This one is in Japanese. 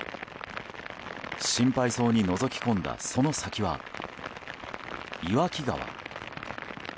心配そうにのぞき込んだその先は、岩木川。